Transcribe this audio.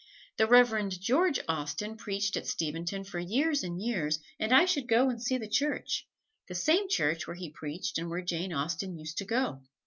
The Reverend George Austen preached at Steventon for years and years, and I should go and see the church the same church where he preached and where Jane Austen used to go.